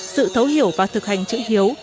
sự thấu hiểu và thực hành chữ hiếu